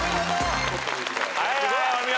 お見事！